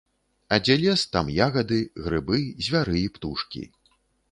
А дзе лес, там ягады, грыбы, звяры і птушкі.